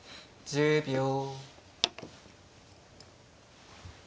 １０秒。